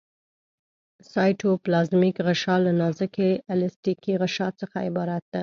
سایټوپلازمیک غشا له نازکې الستیکي غشا څخه عبارت ده.